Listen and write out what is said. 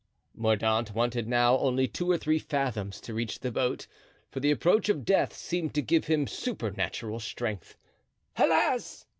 Mordaunt wanted now only two or three fathoms to reach the boat, for the approach of death seemed to give him supernatural strength. "Alas!"